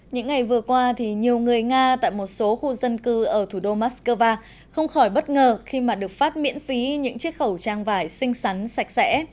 những ngày vừa qua thì nhiều người nga tại một số khu dân cư ở thủ đô moscow không khỏi bất ngờ khi mà được phát miễn phí những chiếc khẩu trang vải xinh xắn sạch sẽ